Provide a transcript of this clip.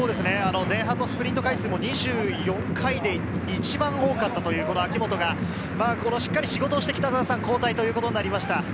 前半のスプリント回数も２４回で一番多かったという明本がしっかり仕事をして交代ということなりました。